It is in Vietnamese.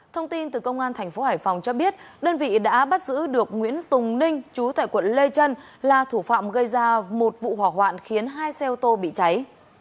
thông tin từ công an tp hải phòng cho biết đơn vị đã bắt giữ được nguyễn tùng ninh chú tại quận lê trân là thủ phạm gây ra một vụ hỏa hoạn khiến hai xe ô tô bị cháy